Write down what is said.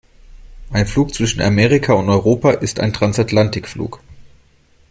Ein Flug zwischen Amerika und Europa ist ein Transatlantikflug.